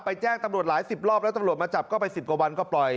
แจ้งตำรวจหลายสิบรอบแล้วตำรวจมาจับก็ไป๑๐กว่าวันก็ปล่อย